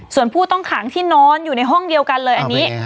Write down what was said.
ส่วนผู้ต้องขังที่นอนอยู่ในห้องเดียวกันเลยอันนี้